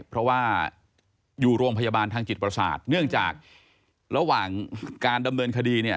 เพราะว่าอยู่โรงพยาบาลทางจิตประสาทเนื่องจากระหว่างการดำเนินคดีเนี่ย